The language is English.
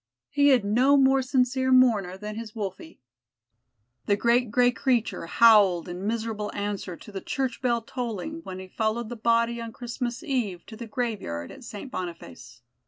He had no more sincere mourner than his "Wolfie." The great gray creature howled in miserable answer to the church bell tolling when he followed the body on Christmas Eve to the graveyard at St. Boniface.